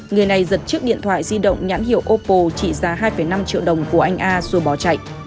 người này giật chiếc điện thoại di động nhãn hiệu opple trị giá hai năm triệu đồng của anh a rồi bỏ chạy